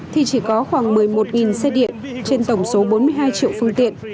thì chỉ có khoảng một mươi một xe điện trên tổng số bốn mươi hai triệu phương tiện